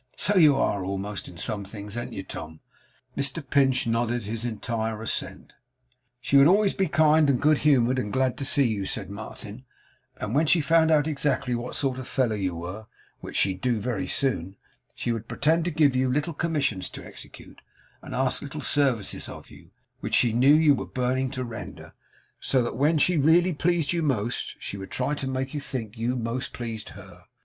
So you are almost, in some things, an't you, Tom?' Mr Pinch nodded his entire assent. 'She would always be kind and good humoured, and glad to see you,' said Martin; 'and when she found out exactly what sort of fellow you were (which she'd do very soon), she would pretend to give you little commissions to execute, and to ask little services of you, which she knew you were burning to render; so that when she really pleased you most, she would try to make you think you most pleased her.